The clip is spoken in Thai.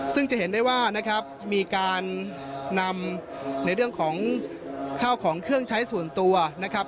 ซึ่งจะเห็นได้ว่านะครับมีการนำในเรื่องของข้าวของเครื่องใช้ส่วนตัวนะครับ